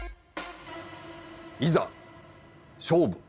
いざ勝負。